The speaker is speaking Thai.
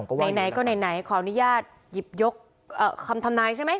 ไหนก็ไหนขออนุญาตหยิบยกคำทำนายใช่ไหม